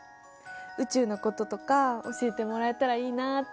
宇宙のこととか教えてもらえたらいいなあって。